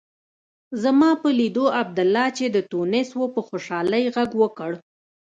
زما په لیدو عبدالله چې د تونس و په خوشالۍ غږ وکړ.